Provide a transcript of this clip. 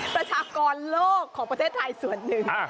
ประชากรโลกของประเทศไทยส่วนหนึ่ง